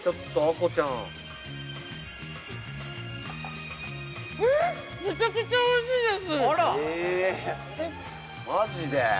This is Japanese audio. これめちゃくちゃおいしいです。